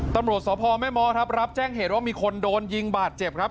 ตำรวจสภมมตราบรับแจ้งเหตุว่าคนโดนยิงบาดเจ็บ